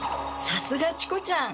さすがチコちゃん！